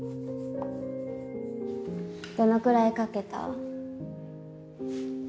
どのくらい描けた？